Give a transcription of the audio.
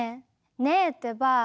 ねえってば！